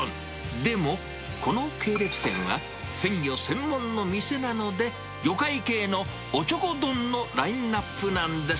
でも、この系列店は、鮮魚専門の店なので、魚介系のおちょこ丼のラインナップなんです。